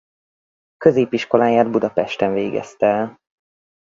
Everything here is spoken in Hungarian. Középiskoláját Budapesten végezte el.